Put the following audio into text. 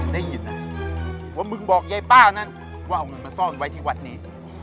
ได้ยินนะว่ามึงบอกยายป้านั้นว่าเอาเงินมาซ่อนไว้ที่วัดนี้